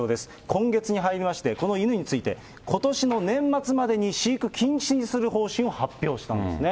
今月に入りまして、この犬について、ことしの年末までに飼育禁止にする方針を発表したんですね。